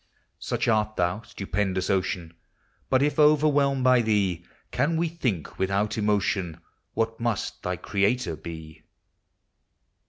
Such art thou, stupendous Ocean ! But, if overwhelmed by thee, Can we think, without emotion, What must thy Creator be